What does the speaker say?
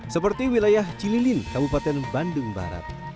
seperti wilayah cililin kabupaten bandung barat